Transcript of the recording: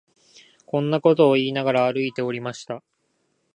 こんなことを言いながら、歩いておりました